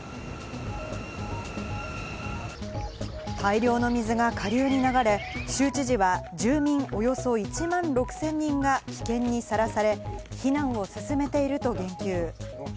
大量の水が下流に流れ、州知事は、住民およそ１万６０００人が危険にさらされ、避難を進めていると言及。